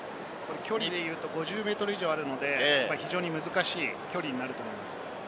距離でいうと５０ｍ以上あるので、非常に難しい距離になると思います。